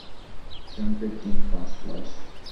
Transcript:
Champagne দিন, পাঁচ glass.